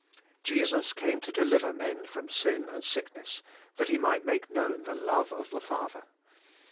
Jesus came to deliver men from sin and sickness that He might make known the love of the Father.